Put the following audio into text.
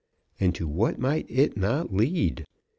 And to what might it not lead?